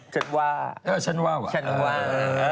ฉันว่าฉันว่าก่อนฉันว่า